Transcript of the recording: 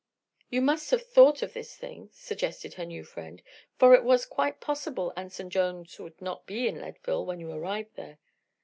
"You must have thought of this thing," suggested her new friend, "for it was quite possible Anson Jones would not be in Leadville when you arrived there."